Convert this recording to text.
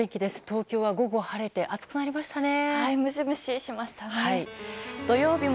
東京は午後晴れて暑くなりましたね。